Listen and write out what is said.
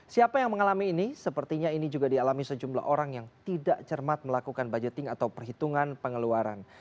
siapa yang mengalami ini sepertinya ini juga dialami sejumlah orang yang tidak cermat melakukan budgeting atau perhitungan pengeluaran